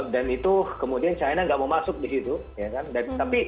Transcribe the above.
dan itu kemudian china nggak mau masuk di situ